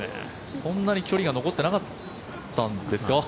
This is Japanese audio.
そんなに距離が残ってなかったんですか。